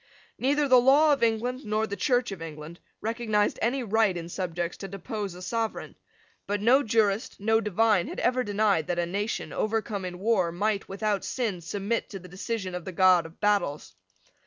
Neither the law of England nor the Church of England recognised any right in subjects to depose a sovereign. But no jurist, no divine, had ever denied that a nation, overcome in war, might, without sin, submit to the decision of the God of battles.